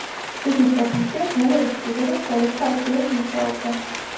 იგი პროფესიას მალე იცვლიდა და სხვადასხვა ადგილას მუშაობდა.